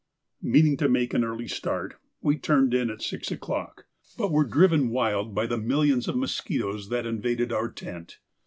Meaning to make an early start, we turned in at six o'clock, but were driven wild by the millions of mosquitoes that invaded our tent.